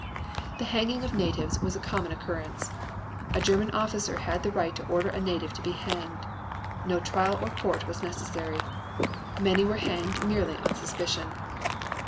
The hanging of natives was a common occurrence. A German officer had the right to order a native to be hanged. No trial or court was necessary. Many were hanged merely on suspicion.